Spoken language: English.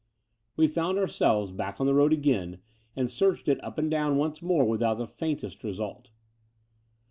We found ourselves back on the road again and searched it up and down once more without the faintest restdt.